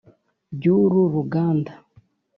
byuru ruganda”